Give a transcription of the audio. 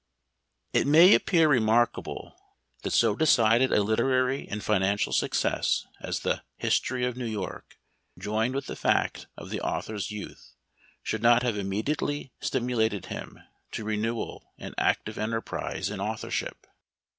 IT may appear remarkable that so decided a literary and financial success as the " His tory of New York," joined with the fact of the author's youth, should not have immediately stimulated him to renewed and active enter prise in authorship.